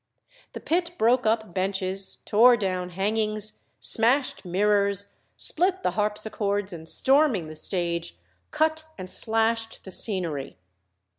The pit broke up benches, tore down hangings, smashed mirrors, split the harpsichords, and storming the stage, cut and slashed the scenery.